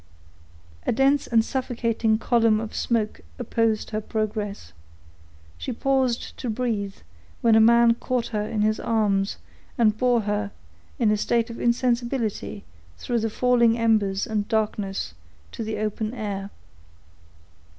A dense and suffocating column of smoke opposed her progress. She paused to breathe, when a man caught her in his arms, and bore her, in a state of insensibility, through the falling embers and darkness, to the open air.